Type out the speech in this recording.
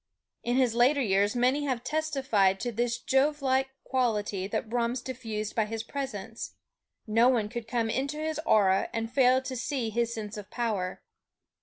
In his later years many have testified to this Jovelike quality that Brahms diffused by his presence. No one could come into his aura and fail to feel his sense of power.